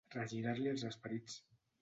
Regirar-li els esperits.